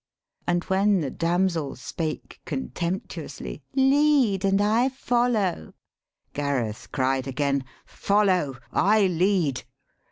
And when the damsel spake contemptuously, ' Lead and I follow,' Gareth cried again, 'Follow, I lead!'